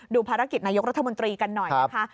ภารกิจนายกรัฐมนตรีกันหน่อยนะคะ